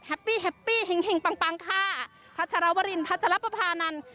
แฮปปี้แฮปปี้หิงปังค่ะพระชรวรินพระจรปภาพนันท์